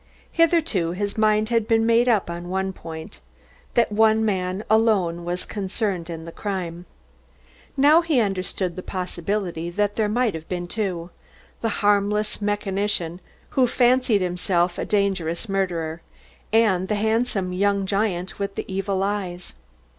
Hitherto his mind had been made up on one point; that one man alone was concerned in the crime. Now he understood the possibility that there might have been two, the harmless mechanician who fancied himself a dangerous murderer, and the handsome young giant with the evil eyes.